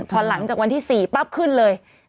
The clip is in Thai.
พอหลังจากวันที่๔ปั๊บขึ้นเลย